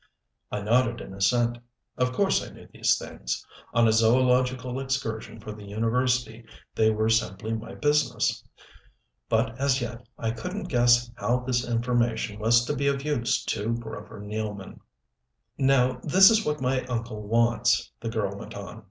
I nodded in assent. Of course I knew these things: on a zoological excursion for the university they were simply my business. But as yet I couldn't guess how this information was to be of use to Grover Nealman. "Now this is what my uncle wants," the girl went on.